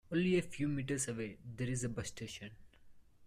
Only a few meters away there is a bus station.